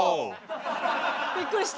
びっくりした。